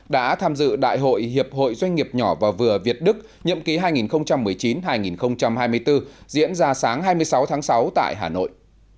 đã tham dự đại hội hiệp hội doanh nghiệp nhỏ và vừa việt đức nhậm ký hai nghìn một mươi chín hai nghìn hai mươi bốn diễn ra sáng hai mươi sáu tháng sáu tại hà nội